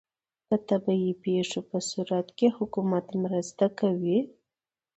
د طبیعي پیښو په صورت کې حکومت مرسته کوي؟